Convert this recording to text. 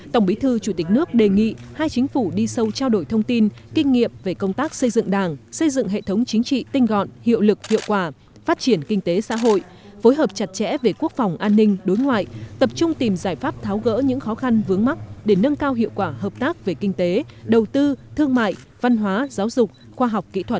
tổng bí thư chủ tịch nước đề nghị hai chính phủ đi sâu trao đổi thông tin kinh nghiệm về công tác xây dựng đảng xây dựng hệ thống chính trị tinh gọn hiệu lực hiệu quả phát triển kinh tế xã hội phối hợp chặt chẽ về quốc phòng an ninh đối ngoại tập trung tìm giải pháp tháo gỡ những khó khăn vướng mắt để nâng cao hiệu quả hợp tác về kinh tế đầu tư thương mại văn hóa giáo dục khoa học kỹ thuật